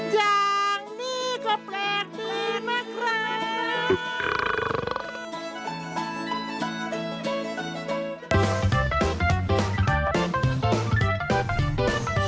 อย่างนี้ก็แปลกดีนะครับ